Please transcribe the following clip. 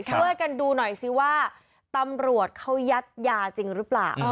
ช่วยกันดูหน่อยซิว่าตำรวจเขายัดยาจริงหรือเปล่า